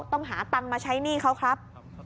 ต้องหาตังค์มาใช้หนี้เขาครับ